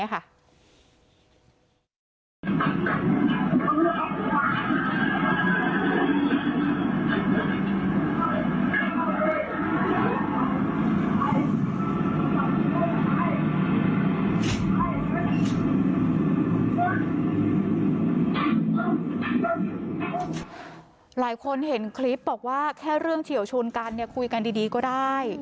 หลายคนเห็นคลิปบอกว่าแค่เรื่องเฉียวชนกันคุยกันดีก็ได้